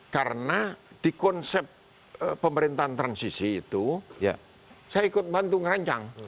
karena di konsep pemerintahan transisi itu saya ikut bantu ngerancang